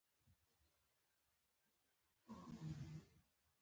د افغانستان د اقتصادي پرمختګ لپاره پکار ده چې تخنیک پوهان وي.